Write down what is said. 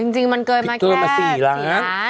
จริงมันเกินมาแค่๔ล้าน